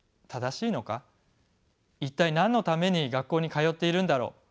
一体何のために学校に通っているんだろう？